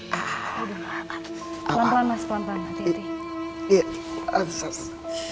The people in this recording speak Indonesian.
pelan pelan mas pelan pelan hati hati